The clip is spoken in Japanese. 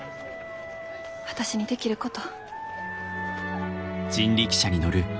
私にできること。